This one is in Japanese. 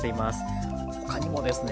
ほかにもですね